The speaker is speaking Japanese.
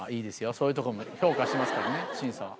そういうとこも評価しますからね審査は。